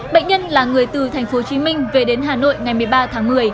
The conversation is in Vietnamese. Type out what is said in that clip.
bệnh nhân là người từ tp hcm về đến hà nội ngày một mươi ba tháng một mươi